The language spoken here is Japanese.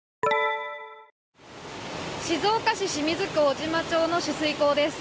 静岡市清水区小島町の取水口です。